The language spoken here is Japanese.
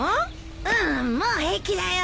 うんもう平気だよ。